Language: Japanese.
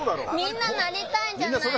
みんななりたいじゃないですか。